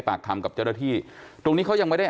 สารเคมีต่าง